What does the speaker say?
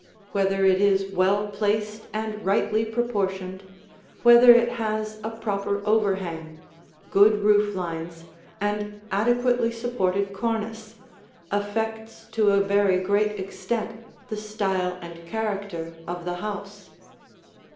Whether it is well placed and rightly proportioned, whether it has a proper overhang, good roof lines, and adequately supported cornice, affects to a very great extent the style and character of the house.